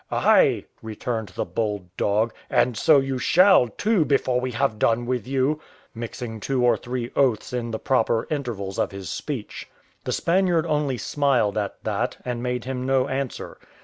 "Ay," returned the bold dog, "and so you shall, too, before we have done with you;" mixing two or three oaths in the proper intervals of his speech. The Spaniard only smiled at that, and made him no answer.